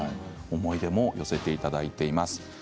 思い出も寄せていただいています。